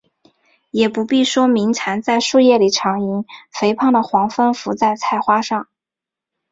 也不必说鸣蝉在树叶里长吟，肥胖的黄蜂伏在菜花上